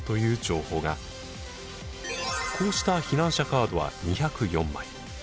こうした避難者カードは２０４枚。